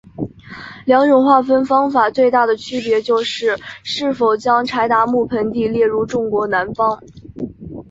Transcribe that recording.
两种划分方法最大的区别就是是否将柴达木盆地列入中国南方。